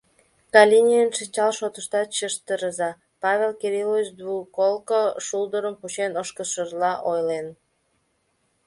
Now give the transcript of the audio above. — Калийный шинчал шотыштат чыштырыза, — Павел Кириллович двуколко шулдырым кучен ошкылшыжла ойлен.